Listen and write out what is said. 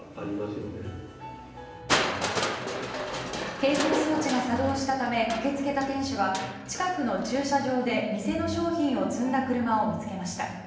警報装置が作動したため駆け付けた店主は近くの駐車場で、店の商品を積んだ車を見つけました。